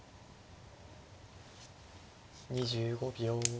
２５秒。